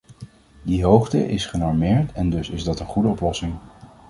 Die hoogte is genormeerd en dus is dat een goede oplossing.